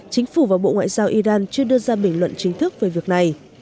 chính phủ và bộ ngoại giao iran chưa đưa ra bình luận chính thức về việc này